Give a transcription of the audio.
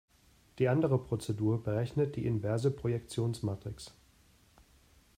Die andere Prozedur berechnet die inverse Projektionsmatrix.